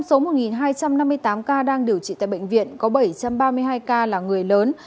trong số một hai trăm năm mươi tám ca đang điều trị tại bệnh viện có bảy trăm ba mươi hai ca là người lớn